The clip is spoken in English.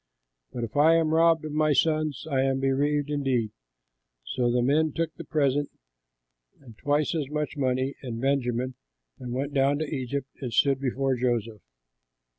But if I am robbed of my sons, I am bereaved indeed!" So the men took the present and twice as much money and Benjamin, and went down to Egypt and stood before Joseph.